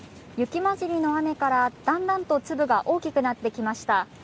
雪交じりの雨からだんだんと粒が大きくなってきました。